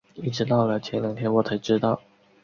一直到了前两天我才知道